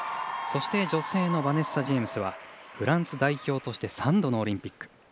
そして女性のバネッサ・ジェイムスはフランス代表として３度のオリンピック。